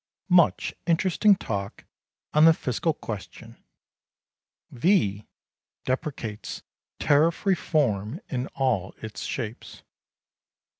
Much interesting talk on the Fiscal question. V.... deprecates Tariff Reform in all its shapes.